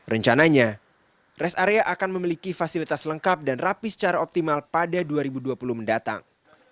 rencananya rest area akan memiliki fasilitas lengkap dan rapi secara optimal pada dua ribu dua puluh mendatang